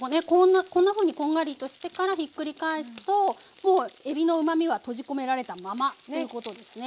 こんなふうにこんがりとしてからひっくり返すともうえびのうまみはとじ込められたままということですね。